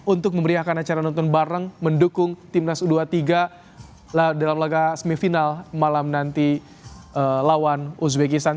untuk memberiakan acara nonton bareng mendukung timnas u dua puluh tiga dalam laga semifinal malam nanti lawan uzbekistan